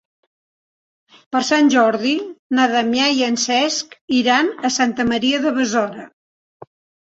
Per Sant Jordi na Damià i en Cesc iran a Santa Maria de Besora.